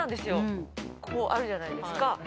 こうあるじゃないですか。